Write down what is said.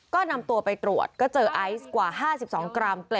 ก็นำตัวไปตรวจก็เจอไอซ์กว่า๕๒กรัม